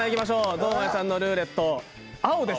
堂前さんのルーレット青です。